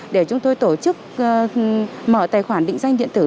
để chúng tôi tổ chức mở tài khoản định danh điện tử